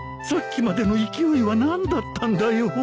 さっきまでの勢いは何だったんだよ